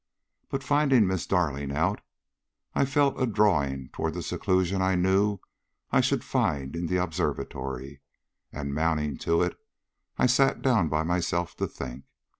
But finding Miss Darling out, I felt a drawing toward the seclusion I knew I should find in the observatory, and mounting to it, I sat down by myself to think.